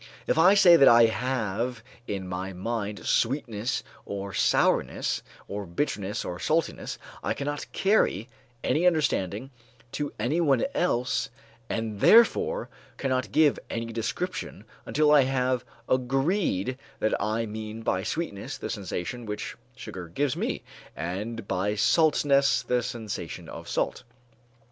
If I say that I have in my mind sweetness or sourness, or bitterness or saltness, I cannot carry any understanding to anyone else and therefore cannot give any description until I have agreed that I mean by sweetness the sensation which sugar gives me, and by saltness the sensation of salt.